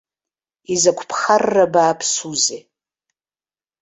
Изакә ԥхарра бааԥсузеи.